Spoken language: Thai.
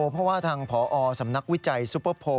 เพราะว่าทางพอสำนักวิจัยซุปเปอร์โพล